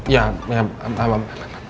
ya ya i'm i'm i'm i'm